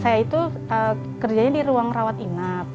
saya itu kerjanya di ruang rawat inap